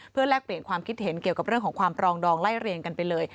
แลกเปลี่ยนความคิดเห็นเกี่ยวกับเรื่องของความปรองดองไล่เรียงกันไปเลย